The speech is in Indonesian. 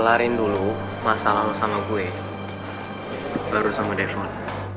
kelarin dulu masalah lo sama gue baru sama devon